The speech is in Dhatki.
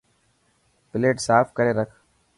پليٽ صاف ڪري رک.